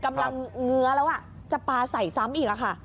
เงื้อแล้วจะปลาใส่ซ้ำอีกค่ะ